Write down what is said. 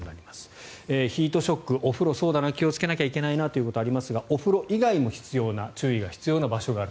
ヒートショック、お風呂気をつけなきゃいけないなということがありますがお風呂以外も注意が必要な場所がある。